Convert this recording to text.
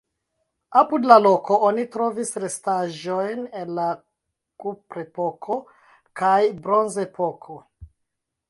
Apud la loko oni trovis restaĵojn el la kuprepoko kaj bronzepoko.